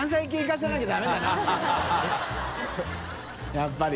やっぱり。